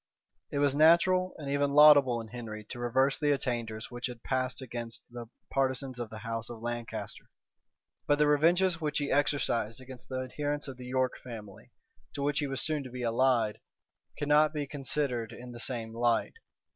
It was natural, and even laudable in Henry to reverse the attainders which had passed against the partisans of the house of Lancaster: but the revenges which he exercised against the adherents of the York family, to which he was so soon to be allied, cannot be considered in the same light.